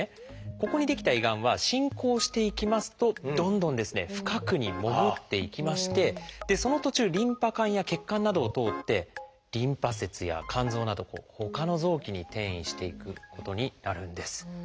ここに出来た胃がんは進行していきますとどんどん深くに潜っていきましてその途中リンパ管や血管などを通ってリンパ節や肝臓などほかの臓器に転移していくことになるんです。